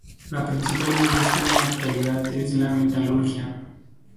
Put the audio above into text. La principal industria en la actualidad es la metalurgia.